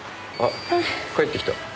あっ帰ってきた。